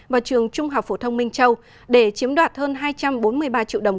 vào trường trung học phổ thông minh châu để chiếm đoạt hơn hai trăm bốn mươi ba triệu đồng